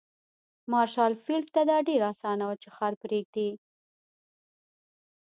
مارشال فيلډ ته دا ډېره اسانه وه چې ښار پرېږدي.